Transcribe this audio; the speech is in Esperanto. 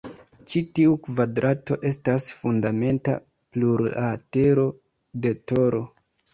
Ĉi tiu kvadrato estas fundamenta plurlatero de toro.